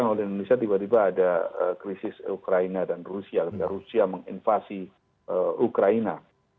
oleh indonesia tiba tiba ada krisis ukraina dan rusia ketika rusia menginvasi ukraina